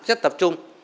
rất tập trung